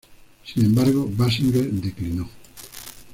Sin embargo, Basinger declinó.